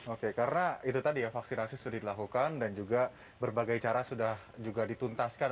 oke karena itu tadi ya vaksinasi sudah dilakukan dan juga berbagai cara sudah juga dituntaskan